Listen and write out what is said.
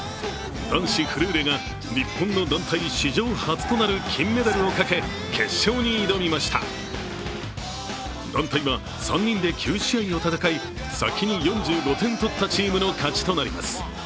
男子フルーレが日本の団体史上初となる金メダルをかけ、決勝に挑みました団体は３人で９試合を戦い、先に４５点取ったチームの勝ちとなります。